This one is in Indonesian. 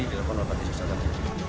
di laporan pantai sosial ksb